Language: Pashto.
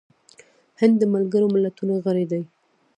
هند د ملګرو ملتونو غړی دی.